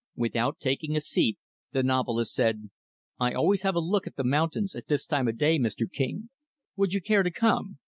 Without taking a seat, the novelist said, "I always have a look at the mountains, at this time of the day, Mr. King would you care to come?